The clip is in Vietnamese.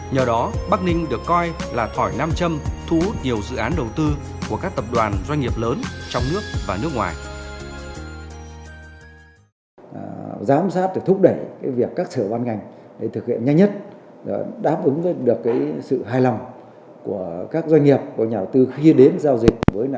nhờ đó bắc ninh được coi là thỏi nam châm thu hút nhiều dự án đầu tư của các tập đoàn doanh nghiệp lớn trong nước và nước ngoài